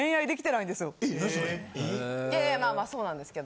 いやまあまあそうなんですけど。